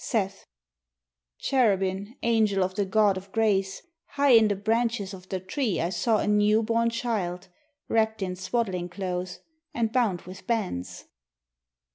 Seth Cherubin, angel of the God of grace, High in the branches of the tree I saw A new born child, wrapped in swaddling clothes And bound with bands.